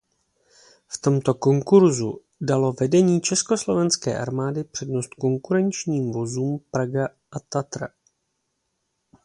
V tomto konkurzu dalo velení československé armády přednost konkurenčním vozům Praga a Tatra.